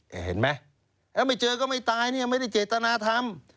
เห็นไหมแล้วไม่เจอก็ไม่ตายเนี่ยไม่ได้เจตนาธรรม